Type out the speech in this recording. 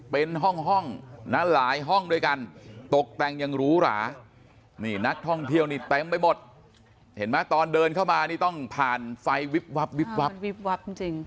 เป็นห้องห้องนะหลายห้องด้วยกันตกแต่งอย่างหรูหรานี่นักท่องเที่ยวนี่เต็มไปหมดเห็นไหมตอนเดินเข้ามานี่ต้องผ่านไฟวิบวับวิบวับวิบวับจริง